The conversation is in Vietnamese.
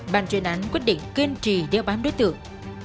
bàn chuyên án quyết định kiên trì đeo bám đối tượng